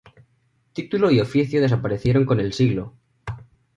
Título y oficio desaparecieron con el siglo.